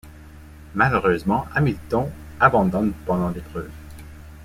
Malheureusement, Hamilton abandonne pendant l'épreuve.